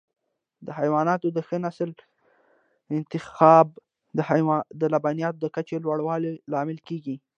د حیواناتو د ښه نسل انتخاب د لبنیاتو د کچې لوړولو لامل کېږي.